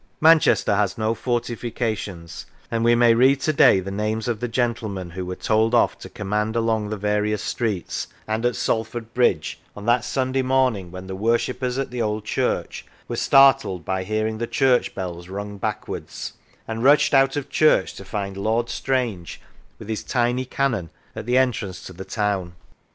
Manchester has no fortifications, and we may read to day the names of the gentlemen who were told off to command along the various streets and at Salford Bridge, on that Sunday morning when the worshippers at the Old Church were startled by hearing the church bells rung backwards, and rushed out of church to find Lord Strange with his tiny cannon at the entrance to the town.